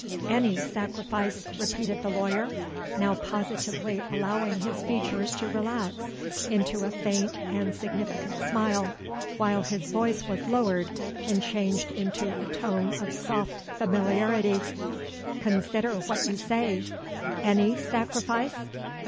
'—'Any sacrifice,' repeated the lawyer, now positively allowing his features to relax into a faint and significant smile, while his voice was lowered and changed into a tone of soft familiarity; 'consider what you say—any sacrifice!